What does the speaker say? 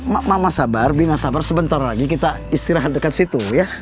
mak mama sabar bima sabar sebentar lagi kita istirahat dekat situ ya